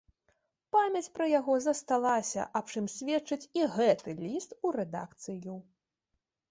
Памяць пра яго засталася, аб чым сведчыць і гэты ліст у рэдакцыю.